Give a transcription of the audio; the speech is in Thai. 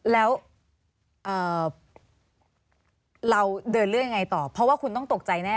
แล้วเราเดินเรื่องยังไงต่อเพราะว่าคุณต้องตกใจแน่